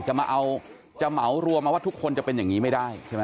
จะมาเอาจะเหมารวมว่าทุกคนจะเป็นอย่างนี้ไม่ได้